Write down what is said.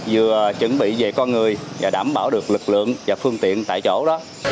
vừa chuẩn bị về con người và đảm bảo được lực lượng và phương tiện tại chỗ đó